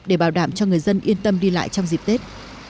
để bảo đảm cho người dân yên tâm đi lại trong dịp tết